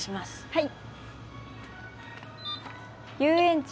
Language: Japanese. はい。